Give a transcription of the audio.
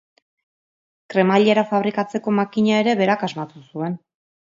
Kremailera fabrikatzeko makina ere berak asmatu zuen.